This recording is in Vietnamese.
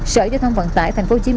sở gia thông vận tải tp hcm